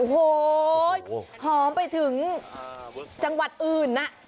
โอ้โหหอมไปถึงจังหวัดอื่นนะ